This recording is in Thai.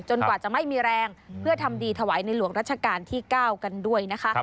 กว่าจะไม่มีแรงเพื่อทำดีถวายในหลวงรัชกาลที่๙กันด้วยนะคะ